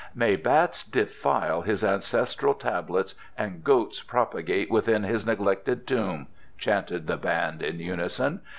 "May bats defile his Ancestral Tablets and goats propagate within his neglected tomb!" chanted the band in unison.